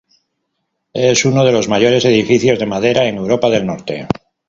Es uno de los mayores edificios de madera en Europa del norte.